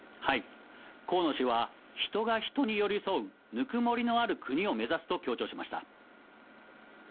河野氏は、人が人に寄り添うぬくもりのある国を目指すと強調しました。